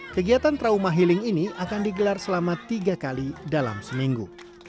kegiatan trauma healing ini akan digelar selama tiga kali dalam seminggu